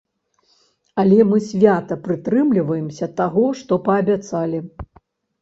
Але мы свята прытрымліваемся таго, што паабяцалі.